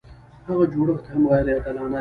هغه جوړښت هم غیر عادلانه دی.